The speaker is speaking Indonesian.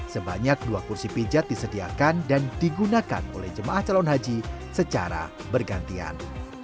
sebanyak dua kursi pijat disediakan dan digunakan oleh jemaah calon haji secara bergantian